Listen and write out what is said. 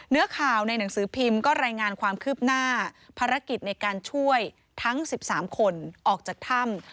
เนื้อข่าวในหนังสือพิมพ์ก็รายงานความคืบหน้าภารกิจในการช่วยทั้ง๑๓คนออกจากถ้ำ